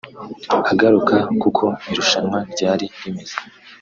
Agaruka kuko irushanwa ryari rimeze